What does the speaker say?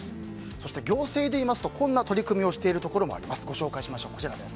そして行政でいいますとこんな取り組みをしているところもあります。